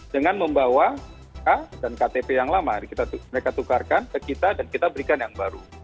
dengan membawa a dan ktp yang lama mereka tukarkan ke kita dan kita berikan yang baru